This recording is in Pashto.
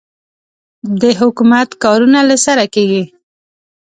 د حکومت کارونه له سره کېږي.